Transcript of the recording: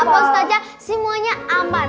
ustazah semuanya aman